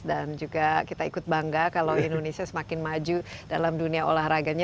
dan juga kita ikut bangga kalau indonesia semakin maju dalam dunia olahraganya